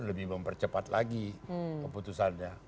lebih mempercepat lagi keputusannya